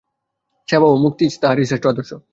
সেবা ও মুক্তি তাহার শ্রেষ্ঠ আদর্শ।